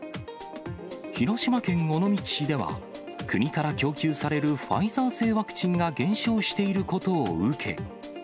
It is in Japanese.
広島県尾道市では、国から供給されるファイザー製ワクチンが減少していることを受け。